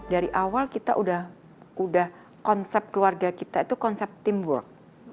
dari awal kita udah konsep keluarga kita itu konsep teamwork